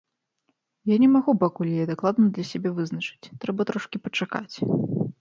Я не магу пакуль яе дакладна для сябе вызначыць, трэба трошкі пачакаць.